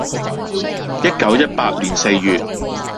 （一九一八年四月。）